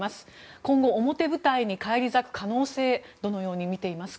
今後、表舞台に返り咲く可能性はどうみていますか？